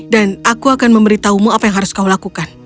dan aku akan memberitahumu apa yang harus kau lakukan